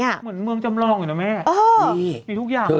เหมือนเมืองจำรองอยู่นะแม่นี่มีทุกอย่างเลยอ่ะ